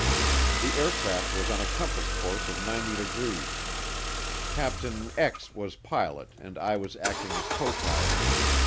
The aircraft was on a compass course of 90 degrees. Capt. was pilot and I was acting as copilot.